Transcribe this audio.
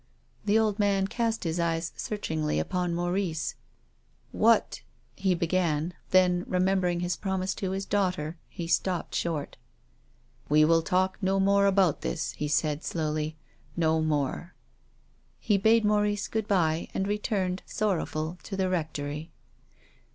The old man cast his eyes searchingly upon Maurice. " What —?" he began, then, remembering his promise to his daughter, he stopped short. " We will talk no more about this," he said slowly. " No more." He bade Maurice good bye and returned, sor rowful, to the Rectory.